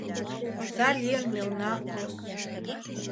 Оза лийын мелна ос